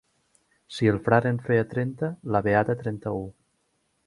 Si el frare en feia trenta, la beata trenta-u.